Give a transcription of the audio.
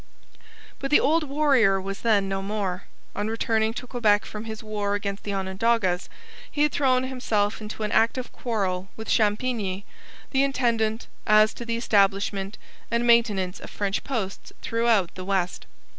But the old warrior was then no more. On returning to Quebec from his war against the Onondagas he had thrown himself into an active quarrel with Champigny, the intendant, as to the establishment and maintenance of French posts throughout the West.